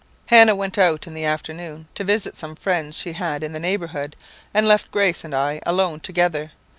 "Hannah went out in the afternoon, to visit some friends she had in the neighbourhood, and left Grace and I alone together.